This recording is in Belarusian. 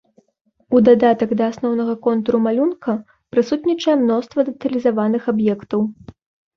У дадатак да асноўнага контуру малюнка, прысутнічае мноства дэталізаваных аб'ектаў.